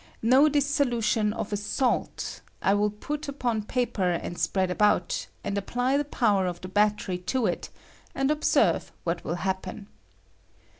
Now this solu tion of a saltC^) I will put upon paper and spread about, and apply the power of the bat tery to it, and observe what will happen.